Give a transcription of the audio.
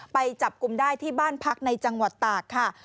ไปจับกลุ่มได้ที่บ้านพักในจังหวัดตากค่ะ